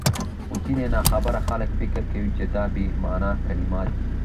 خو ځيني ناخبره خلک فکر کوي چي دا بې مانا کلمات دي،